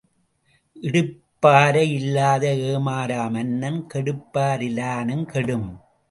இடிப்பாரை இல்லாத ஏமரா மன்னன் கெடுப்பா ரிலானுங் கெடும்.